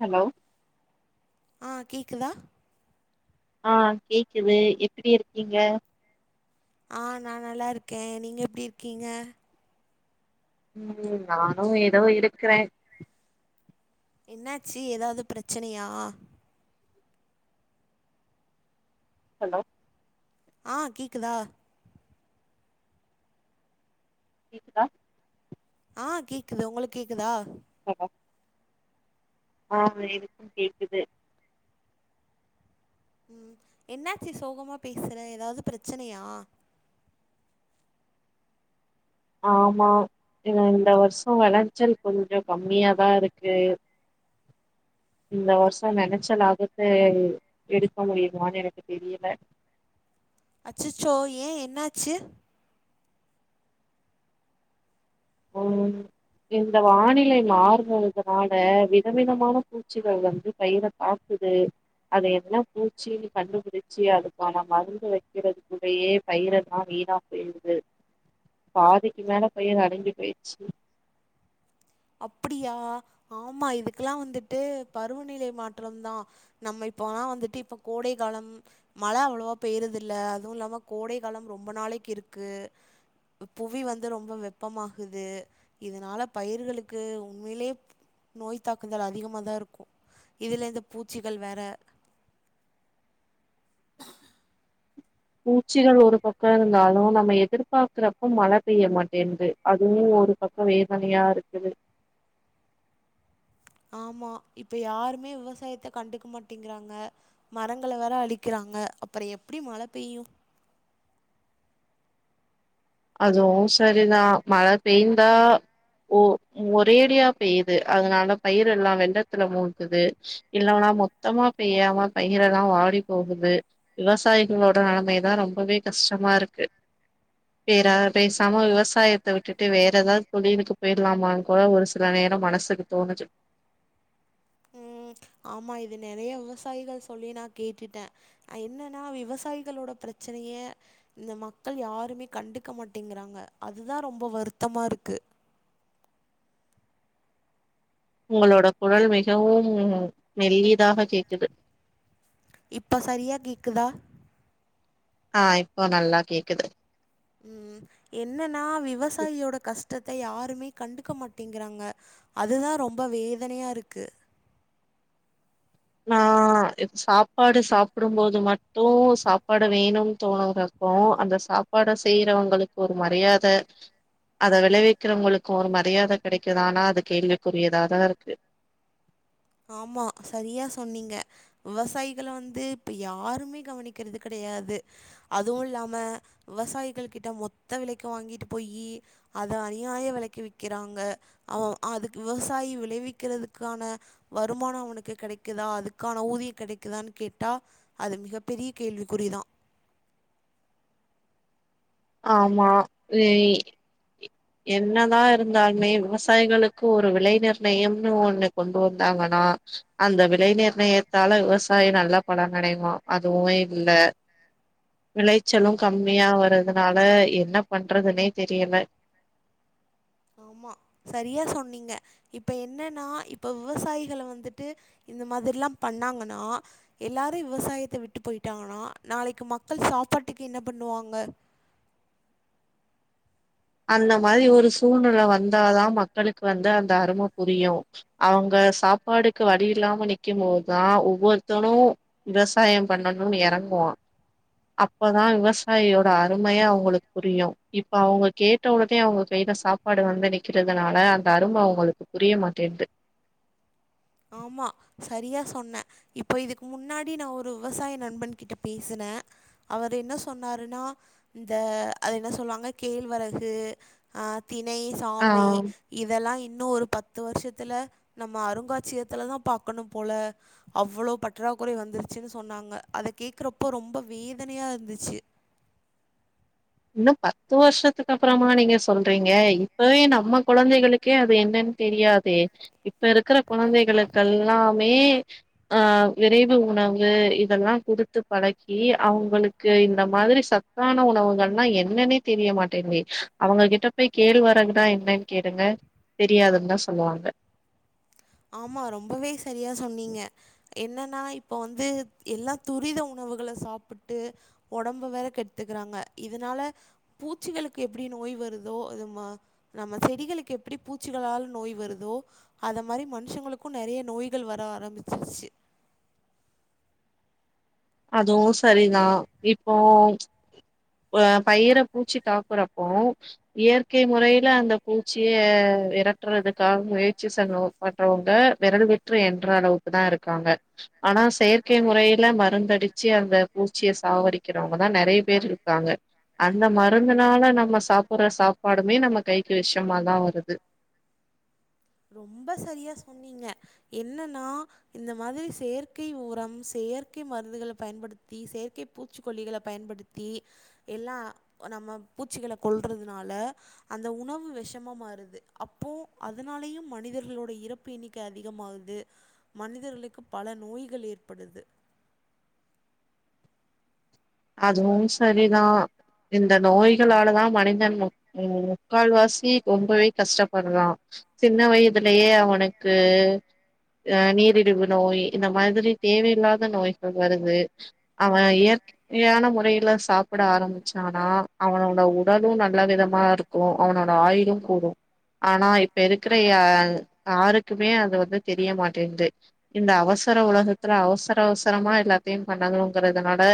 hello ஆ கேக்குதா ஆ கேக்குது எப்பிடி இருக்கீங்க ஆ நா நல்லாருக்கே நீங்க எப்டி இருக்கீங்க ம் நானு எதோ இருக்குறே என்னாச்சு எதாது பிரச்சனையா ஹலோ ஆ கேக்குதா கேக்குதா ஆ கேக்குது உங்களுக்கு கேக்குதா ஹலோ ஆமா எனக்கு கேக்குது ம் என்னாச்சி சோகமா பேஸ்ற எதாவுது பிரச்சனையா ஆமா இல்ல இந்த வர்ஷோ வெளச்சல் கொஞ்சோ கம்மியாதா இருக்கு இந்த வருஷோ நெனச்ச லாபத்த எடுக்க முடியுமானு எனக்கு தெரியல அச்சச்சோ ஏ என்னாச்சி ம் இந்த வானிலை மாறுதுதனால விதவிதமான பூச்சிகள் வந்து பயிர தாக் குது அது என்ன பூச்சினு கண்டுபுடிச்சி அதுக்கான மருந்து வெக்கிறதுகுள்ளயே பயிரெல்லா வீணா போயிருது பாதிக்கு மேல பயிரு அடங்கி போயிட்ச்சி அப்டியா ஆமா இதுக்கெல்லா வந்துட்டு பருவநிலை மாற்றம் தா நம்ம இப்போ ஆனா வந்துட்டு இப்ப கோடை காலம் மழ அவ்ளவா பெய்றது இல்ல அது இல்லாம கோடை காலம் ரொம்ப நாளைக்கு இருக்கு புவி வந்து ரொம்ப வெப்பமாகுது இதனால பயிர்களுக் கு உண்மைலே நோய் தாக்குதல் அதிகமாக தா இருக்கு இதுல இந்த பூச்சிகள் வேற பூச்சிகள் ஒரு பக்கோ இருந்தாலு நம்ம எதிர்பாக்கறப்ப மழ பெய்ய மாட்டேன்து அதுவு ஒரு பக்கோ வேதனையா இருக்குது ஆமா இப்ப யாருமே விவசாயத்த கண்டுக்க மாட்டேங்கிறாங்க மரங்கள வேற அழிக்கிறாங்க அப்ற எப்டி மழ பெய்யு அதுவு செரிதா மழ பெய்ந்தா ஒ ஒரேடியா பெய்யுது அதனால பயிர் எல்லா வெள்ளத்துல மூழ்குது இல்லவனா மொத்தமா பெய்யாம பயிரல்லா வாடி போகுது விவசாயிகளோட நெலைமைதா ரொம்பவே கஷ்டமா இருக்கு பேற பேசாம விவசாயத்த விட்டுட்டு வேற எதாத் தொழிலுக்கு போய்டலாமான் கூட ஒரு சில நேரோ மனசுக்கு தோணுச்சு ம் ஆமா இது நெறைய விவசாயிகள் சொல்லி நா கேட்டுட்டே அ என்னென்னா விவசாயிகளோட ப்ரச்சனைய இந்த மக்கள் யாருமே கண்டுக்க மாட்டேங்கிறாங்க அதுதா ரொம்போ வருத்தமா இருக்கு உங்களோட குரல் மிகவும் மெல்லியதாக கேக்குது இப்ப சரியா கேக்குதா ஆ இப்ப நல்லா கேக்குது ம் என்னன்னா விவசாயியோட கஷ்டத்த யாருமே கண்டுக்க மாட்டேங்கிறாங்க அதுதா ரொம்ப வேதனையா இருக்கு நா சாப்பாடு இப்ப சாப்பாடு சாப்புடும்போது மட்டு சாப்பாடு வேணும் தோன கூடாது கோ அந்த சாப்பாட செய்யறவங்களுக்கு ஒரு மரியாத அத விளைவிக்கிறவங்களுக்கு ஒரு மரியாத கெடைக்குதானா அது கேள்விக்குரியதாதா இருக்கு ஆமா சரியா சொன்னீங்க விவசாயிகள வந்து இப்ப யாருமே கவனிக்கறது கெடையாது அதுவு இல்லாம விவசாயிகள் கிட்ட மொத்த விலைக்கு வாங்கிட்டு போயி அத அநியாய விலைக்கு விக்கிறாங்க அவ அதுக் விவசாயி விளைவிக்கிறதுக்கான வருமானோ அவனுக்கு கெடைக்குதா அதுக்கான ஊதியு கெடைக்குதான்னு கேட்டா அது மிகப்பெரிய கேள்விக்குறிதா ஆமா வ ய் என்னதா இருந்தாலுமே விவசாயிகளுக்கு ஒரு விலை நிர்ணயம்னு ஒண்ணு கொண்டு வந்தாங்கனா அந்த விலை நிர்ணயத்தால விவசாயோ நல்லா பலன் அடையுமா அதுவு இல்ல விளைச்சலு கம்மியா வரதுனால என்ன பண்றதுன்னே தெரியல ஆமா சரியா சொன்னீங்க இப்ப என்னென்னா இப்ப விவசாயிகள வந்துட்டு இந்த மாதிர்ல்லா பண்ணாங்கன்னா எல்லாரு விவசாயத்த விட்டு போய்ட்டாங்கன்னா நாளைக்கு மக்கள் சாப்பாட்டுக்கு என்ன பண்ணுவாங்க அந்த மாரி ஒரு சூழ்நில வந்தாதா மக்களுக்கு வந்து அந்த அரும புரியு அவுங்க சாப்பாடுக்கு வழி இல்லாம நிக்கும் போத்தா ஒவ்வொருத்தரு விவசாயம் பண்ணணுனு எறங்குவோ அப்பதா விவசாயியோட அருமையே அவங்களுக்கு புரியு இப்ப அவுங்க கேட்டவுடனே அவுங்க கைல சாப்பாடு வந்து நிக்கிறதுனால அந்த அரும அவுங்களுக்கு புரியமாட்டேன்து ஆமா சரியா சொன்ன இப்போ இதுக்கு முன்னாடி நா ஒரு விவசாய நண்பன் கிட்ட பேசுனே அவர் இன்னா சொன்னாருனா இந்த அது என்ன சொல்வாங்க கேழ்வரகு ஆ திணை சாமம ஆ இதெல்லா இன்னு ஒரு பத்து வருஷத்துல நம்ம அருங்கா ட்சியத்துலதா பாக்கணும் போல அவ்வளோ பற்றாக்குறை வந்துருச்சுன்னு சொன்னாங்க அத கேக்குறப்போ ரொம்ப வேதனையா இருந்துச்சு இன்னும் பத்து வருஷத்துக்கு அப்புறமா நீங்க சொல்றீங்க இப்பவே நம்ம கொழந்தைகளுக் கே அது என்னன் தெரியாதே இப்ப இருக்கிற குழந்தைகளுக்கெல்லாமே ஆ விரைவு உணவு இதெல்லா கேடுத்து பழக்கி அவுங்களுக்கு இந்த மாதிரி சத் த்தான உணவுகள் னா என்னன்னே தெரிய மாட்டேன்து அவங்க கிட்ட போய் கேள்வரகுனா என்னன் கேளுங்க தெரியாதுன் தா சொல்லுவாங்க ஆமா ரொம்பவே செரியா சொன்னீங்க என்னன்னா இப்ப வந்து எல்லா துரித உணவுகள சாப்புட்டு ஒடம்ப வேற கெட்த்துக்கிறாங்க இதுனால பூச்சிகளுக்கு எப்டி நோய் வருதோ அது மா நம்ம செடிகளுக்கு எப்டி பூச்சிகளால் நோய் வருதோ அதம் மாரி மனுன்ஷங்களுக்கு நெறைய நோய்கள் வர ஆரம்மிச்சிருச்சு அதுவு செரிதா இப்போ அ தத்துவத்தை ல் பயிர பூச்சி தாக்குறப்போ இயற்கை முறையில அந்த பூச்சிய வெரட்டுறதுக்காக முயற்சி செஞ்னோ மட்றவ்ங்க வெரல் விட்ரு என்ற அளவுக்கு தா இருக்காங்க ஆனா செயற்கை முறையில மருந்த அடிச்சு அந்த பூச்சிய சாவடிக்கிறவ்ங்கதா நெறைய பேர் இருக்காங்க அந்த மருந்துனால நம்ம சாப்புட்ற சாப்பாடுமே நம்ம கைக்கு வெஷமாதா வருது ரொம்ப சரியா சொன்னீங்க என்னன்னா இந்த மாதிரி செயற்கை உரம் செயற்கை மருந்துகள பயன்படுத்தி செயற்கை பூச்சிக்கொல்லிகளப் பயன்படுத் த்தி எல்லா அ நம்ம பூச்சிகள கொல்றதுனால அந்த உணவு வெஷமா மாறுது அப்போ அது அதுனாலயும் மனிதர்களோட இறப்பு எண்ணிக்க அதிகமாகுது மனிதர்களுக்கு பல நோய்கள் ஏற்படுது அதுவும் சரிதா இந்த நோய்களாலதா மனிதன் வ அதே மாதிரி தா முக்கால் வாசி ரொம்பவே கஷ்டப்பட்றா சின்ன வயதுலயே அவனுக்கு அ நீரிழிவு நோய் இந்த மாதிரி தேவையில்லாத நோய்கள் வருது அவ இயற் யான முறையில சாப்பிட ஆரம்பிச்சானா அவனோட உடலு நல்ல விதமா இருக் கு அவனோட ஆயுிலு கூடு ஆனா இப்ப இருக்கிற யா யாருக்குமே அது வந்து தெரிய மாட்டேன்து இந்த அவசர உலகத்துல அவசர அவசரமா எல்லாத்தையு பண்ணணுங்கிறதுனால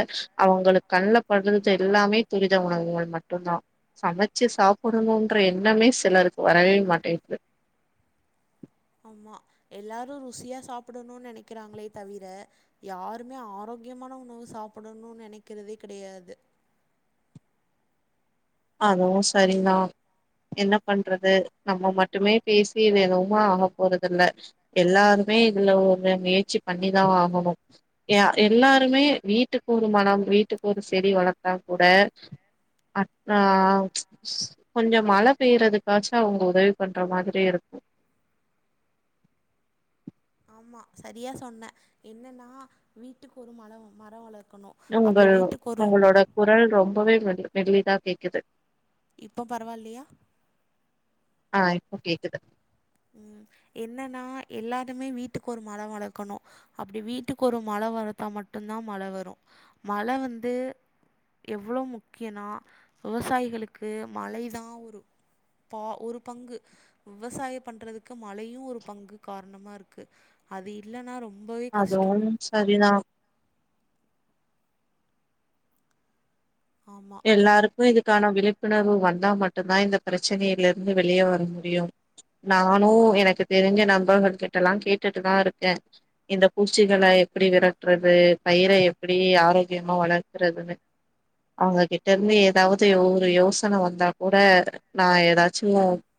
அவ்ங்களுக்கு கண்லப்பட்றது எல்லாமே துரித உணவுங்கள் மட்டுந்தா சமச்சு சாப்புடுவோன்ற எண்ணமே சிலருக்கு வரவே மாட்டேன்து ஆமா எல்லாரு ருசியா சாப்பிடணுனு நெனைக்கிறாங்களே தவிர யாருமே ஆரோக்கியமான உணவு சாப்பிடணுன் நெனைக்கிறதே கெடையாது அதுவு சரிதா என்ன பண்றது நம்ம மட்டுமே பேசி இது எதுவுமா ஆக போறதில்ல எல்லாருமே இதுல ஒரு முயற்சி பண்ணிதா ஆகணு யா எல்லாருமே வீட்டுக்கு ஒரு மனம் வீட்டுக்கு ஒரு செடி வளத்தா கூட அ ஆ கொஞ்ச மழ பெய்றதுக்காச்சு அவ்ங்க உதவி பண்ற மாதிரி இருக்கு ஆமா சரியா சொன்ன என்னன்னா வீட்டுக்கு ஒரு மல மர வளர்க்கணு அப்டி உங்கள் வீட்டுக்கு ஒரு உங்களோட குரல் ரொம்பவே மெலி மெலிதா கேக்குது இப்ப பரவால்லையா ஆ இப்ப கேக்குது ம் என்னன்னா எல்லாருமே வீட்டுக்கொரு மரோ வளக்கணு அப்டி வீட்டுக்கொரு மழ வளத்தா மட்டுந்தா மழ வரு மழ வந்து எவ்ளோ முக்கியன்னா விவசாயிகளுக்கு மழை தா ஒரு போ ஒரு பங்கு விவசாய பண்றதுக்கு மழயு ஒரு பங்கு காரணமா இருக்கு அது இல்லனா ரொம்பவே கஷ்டோ சரி நா ஆமா எல்லாருக்கு இதுக்கான விழிப்புணர்வு வந்தா மட்டுந்தா இந்த பிரச்சனைலிர்ந்து வெளிய வர முடியு நானு எனக்கு தெரிஞ்ச நபர்கள் கிட்ட எல்லா கேட்டுட்டுதா இருக்கே இந்த பூச்சிகள எப்டி விரட்றது பயிர எப்டி ஆரோக்கியமா வளர்க்றதுன்னு அவுங்ககிட்டர்ந்து எதாவ்து ஒ ஒரு யோசன வந்தா கூட நா எதாச்சு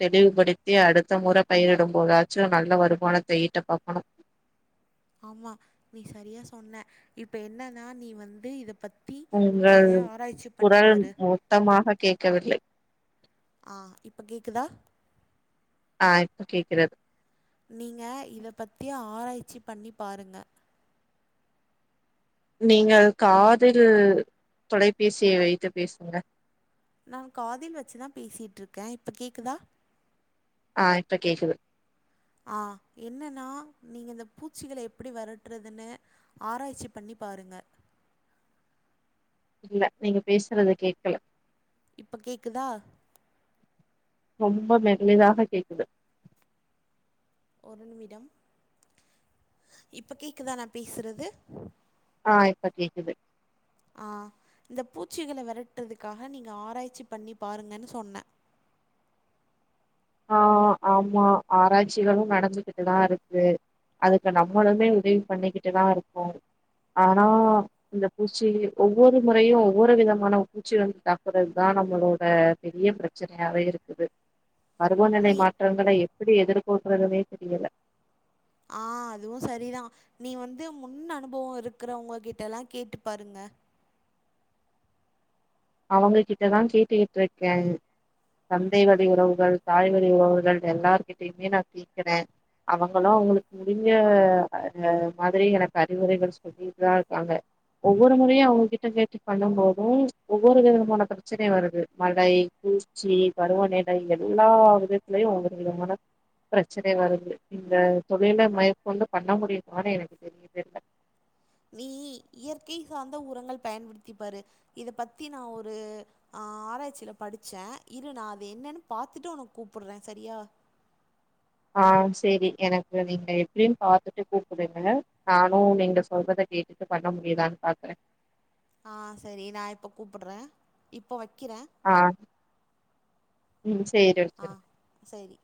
தெளிவுப்படுத்தி அடுத்த முற பயிரிடும் போதாச்சு நல்ல வருமானத்த ஈட்ட பாக்கணு ஆமா நீ சரியா சொன்ன இப்ப என்னனா நீ வந்து இத பத் உங்கள் குரல் மொத்தமாக கேக்கவில்லை ஆ இப்ப கேக்குதா ஆ இப்ப கேக்கிறது நீங்க இத பத்தி ஆராய்ச்சி பண்ணி பாருங்க நீங்கள் காதில் தொலைபேசிய வைத்து பேசுங்க நா காதில் வச்சிதா பேசிட்ருக்கே இப்ப கேக்குதா ஆ இப்ப கேக்குது ஆ என்னனா நீங்க இந்த பூச்சிகள எப்பிடி வெரட்றதுன்னு ஆராய்ச்சி பண்ணி பாருங்க இல்ல நீங்க பேஸ்றது கேக்கல இப்ப கேக்குதா ரொம்ப மெல்லிதாக கேக்குது ஒரு நிமிடம் இப்ப கேக்குதா நா பேஸ்றது ஆ இப்ப கேக்குது ஆ இந்த பூச்சிகள வெரட்றதுக்காக நீங்க ஆராய்ச்சி பண்ணி பாருங்கன்னு சொன்ன ஆ ஆமா ஆராய்ச்சிகளும் நடந்துகிட்டுதா இருக்கு அதுக்கு நம்மளுமே உதவி பண்ணிக்கிட்டுதா இருக்கோ ஆனா இந்த பூச்சி ஒவ்வொரு முறையு ஒவ்வொரு விதமான பூச்சி வந்து தாக்கறத் தா நம்மளோட பெரிய ப்ர ச்சனயாவே இருக்குது பருவநிலை நீ மாற்றங்கள எப்பிடி எதிர்கொள்றதுனே தெரியல ஆ அதுவு சரி தா நீ வந்து முன் அனுபவோ இருக்கறவங்க கிட்டலா கேட்டு பாருங்க அவங்க கிட்டதா கேட்டுக்கிட்ருக்கே தந்தை வழி ம் உறவுகள் தாய் வ ழி உறவுகள் எல்லார்கிட்டய்மே நா கேக்கறே அவங்களு அவங்களுக் முடிஞ்ச அது மாதிரி எனக்கு அறிவுரைகள் சொ சொல்லிட்டிட்டு தா இருக்காங்க ஒவ்வொரு முறையு அவங்ககிட்ட கேட்டு பண்ணும் போது ஒவ்வொரு விதமான பிரச்சனை வருது மழை, பூச்சி, பருவநிலை எல்லா வித த்துலயு ஒவ்வொரு விதமான பிரச்சனை வருது இந்த தொழில மேற்கொண்டு பண்ண முடியுமானு எனக்கு தெர்ல நீ இயற்கை சார்ந்த உரங்கள் பயன்படுத்தி பாரு இத பத்தி நா ஒரு ஆ ஆராய்ச்சில படிச்சே இரு நா அது என்னன்னு பாத்துட்டு உனக்கு கூப்புட்றே சரியா ஆ சரி எனக்கு நீங்க எப்டின் பாத்துட்டு கூப்புடுங்க நானு நீங்க சொல்றத கேட்டுட்டு பண்ண முடியுதான் பாக்கறே ஆ சரி நா இப்போ கூப்பட்றே இப்போ வக்கிறே ஆ ம் சேரி வக்கிறே சேரி